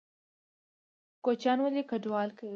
کوچیان ولې کډوالي کوي؟